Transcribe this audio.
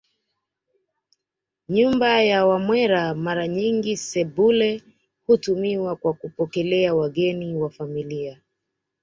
Nyumba ya Wamwera Mara nyingi sebule hutumiwa kwa kupokelea wageni wa familia